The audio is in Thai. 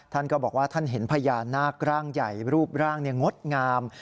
ท่านก็บอกว่าท่านเห็นพญานาคร่างใหญ่รูปร่างงดงาม